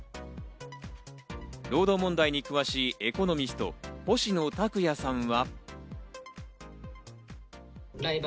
労働問題に詳しいエコノミスト、星野卓也さんは。